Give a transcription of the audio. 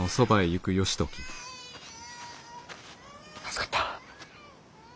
助かった。